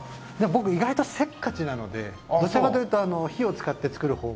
僕意外とせっかちなのでどちらかというと火を使って作る方が。